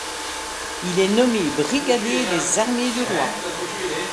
Il est nommé brigadier des armées du roi.